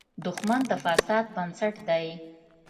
دښمن د فساد بنسټ دی